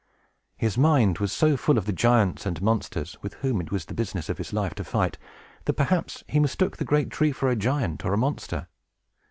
His mind was so full of the giants and monsters with whom it was the business of his life to fight, that perhaps he mistook the great tree for a giant or a monster.